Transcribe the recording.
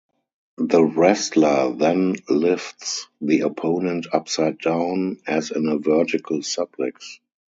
The wrestler then lifts the opponent upside down, as in a vertical suplex.